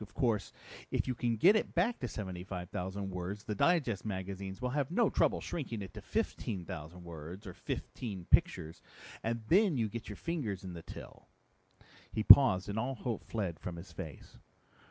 Of course if you can get it back to 75,000 words the digest magazines will have no trouble shrinking it to 15,000 words or fifteen pictures, and you then get your fingers in the till." He paused and all hope fled from his face.